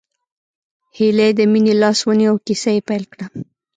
هيلې د مينې لاس ونيو او کيسه يې پيل کړه